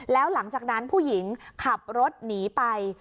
แล้วหลังจากนั้นผู้หญิงขับรถหนีไป